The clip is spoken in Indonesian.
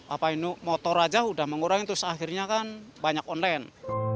apa ini motor aja udah mengurangi terus akhirnya kan banyak online